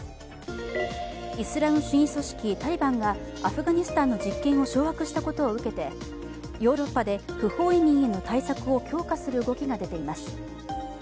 イスラム主義組織タリバンがアフガニスタンの実権を掌握したことを受けて、ヨーロッパで不法移民への対策を強化する動きが出ています。